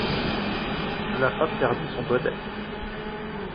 La femme perdit son bonnet.